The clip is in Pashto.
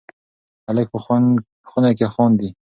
هلک په خونه کې خاندي.